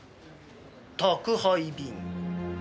宅配便。